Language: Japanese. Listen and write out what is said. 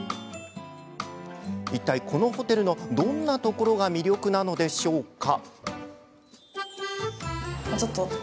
いったいこのホテルの、どんなところが魅力なのでしょうか？